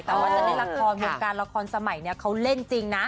แต่ว่าในละครมุมการละครสมัยเขาเล่นจริงนะ